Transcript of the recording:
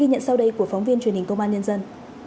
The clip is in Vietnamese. học viên truyền hình công an nhân dân